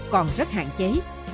còn rất hạn chế